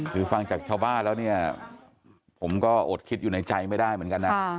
คือฟังจากชาวบ้านแล้วเนี่ยผมก็อดคิดอยู่ในใจไม่ได้เหมือนกันนะ